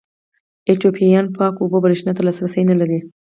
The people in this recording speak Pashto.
ایتوپیایان پاکو اوبو برېښنا ته لاسرسی نه لري.